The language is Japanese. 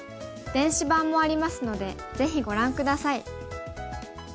電子版もありますのでぜひご覧下さい。